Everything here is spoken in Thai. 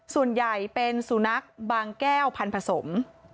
ส่วนใหญ่เป็นสุนัขบางแก้วพันธสม